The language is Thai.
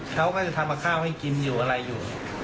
เขาก็จะทำกับข้าวให้กินอยู่อะไรอยู่